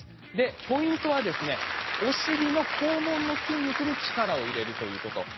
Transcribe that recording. ポイントは、お尻の肛門の筋肉に力を入れるということです。